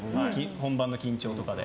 本番の緊張とかで。